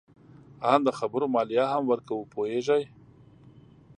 آن د خبرو مالیه هم ورکوو. پوهیږې؟